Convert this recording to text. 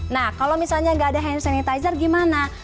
nah kalau misalnya nggak ada hand sanitizer gimana